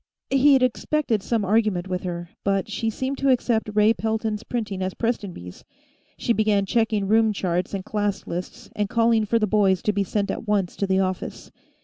He'd expected some argument with her, but she seemed to accept Ray Pelton's printing as Prestonby's; she began checking room charts and class lists, and calling for the boys to be sent at once to the office.